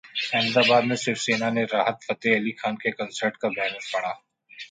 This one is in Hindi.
अहमदाबाद में शिवसेना ने राहत फतेह अली खान के कंसर्ट का बैनर फाड़ा